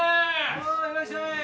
おういらっしゃい！